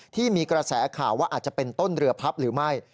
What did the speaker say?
ที่มีกระแสข่าวว่าอาจจะเป็นต้นเรือพับหรือไม่